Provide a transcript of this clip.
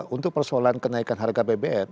untuk persoalan kenaikan harga bbm